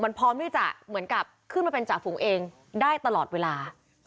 มันพร้อมที่จะเหมือนกับขึ้นมาเป็นจ่าฝูงเองได้ตลอดเวลา